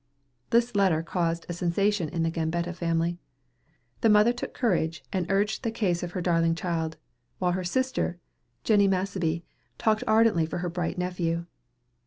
The letter caused a sensation in the Gambetta family. The mother took courage and urged the case of her darling child, while her sister, Jenny Massabie, talked ardently for her bright nephew.